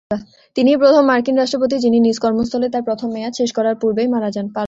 তিনিই প্রথম মার্কিন রাষ্ট্রপতি, যিনি নিজ কর্মস্থলে তার প্রথম মেয়াদ শেষ করার পূর্বেই মারা যান।